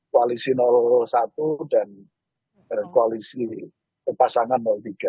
koalisi satu dan koalisi pasangan tiga